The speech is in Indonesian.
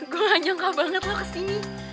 gue gak nyangka banget lah kesini